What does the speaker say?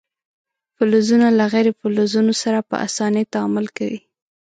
فلزونه له غیر فلزونو سره په اسانۍ تعامل کوي.